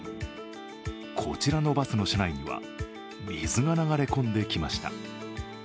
こちらのバスの車内には水が流れ込んできました。